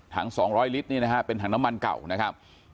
ถังสองร้อยลิตรนี่นะฮะเป็นน้ำมันเก่านะครับ